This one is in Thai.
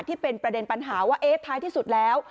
ที่เป็นประเด็นปัญหาว่าเอ๊ะท้ายที่สุดแล้ว